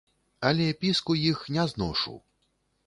Але піску іх не зношу.